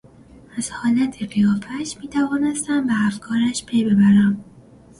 از حالت قیافهاش میتوانستم به افکارش پی ببرم.